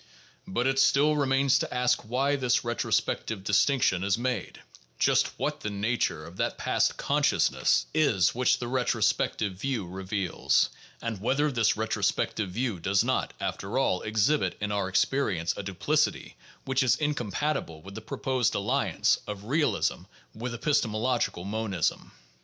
But it still remains to ask why this retrospective distinction is made; just what the nature of that past "consciousness" PSYCHOLOGY AND SCIENTIFIC METHODS 595 is which the retrospective view reveals; and whether this retro spective view does not after all exhibit in our experience a duplicity which is incompatible with the proposed alliance of real ism with epistemological monism.